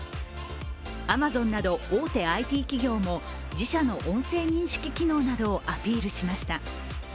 アマゾンなど大手ＩＴ企業も自社の音声認識機能などをアピールしました。